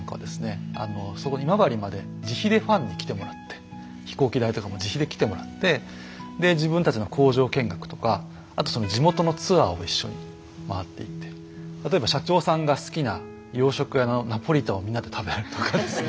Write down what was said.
今治まで自費でファンに来てもらって飛行機代とかも自費で来てもらって自分たちの工場見学とかあと地元のツアーを一緒に回っていって例えば社長さんが好きな洋食屋のナポリタンをみんなで食べるとかですね。